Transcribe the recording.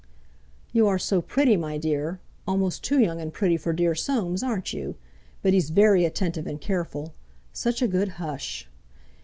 "You are so pretty, my dear; almost too young and pretty for dear Soames, aren't you? But he's very attentive and careful—such a good hush...."